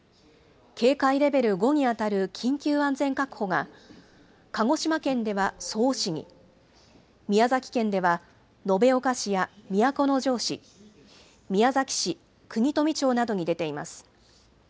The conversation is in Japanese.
警戒レベル５に当たる緊急安全確保が鹿児島県では曽於市に、宮崎県では延岡市や都城市、宮崎市、国富町などに出ています。